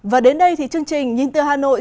và đến đây chương trình nhìn từ hà nội